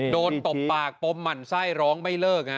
ตบปากปมหมั่นไส้ร้องไม่เลิก